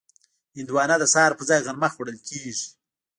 هندوانه د سهار پر ځای غرمه خوړل کېږي.